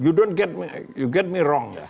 you don't get me you get me wrong ya